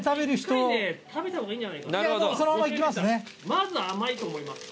まず甘いと思います。